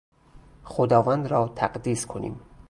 خداوند را تقدیس کنیم.